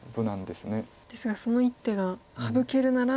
ですがその１手が省けるなら。